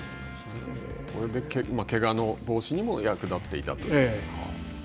それでけがの防止にも役立っていたという。